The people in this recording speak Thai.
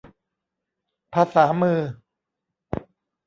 ภาษามือ